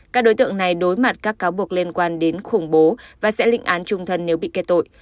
các đối tượng này đối mặt các cáo buộc liên quan đến khủng bố và sẽ lịnh án trung thân nếu bị kết tội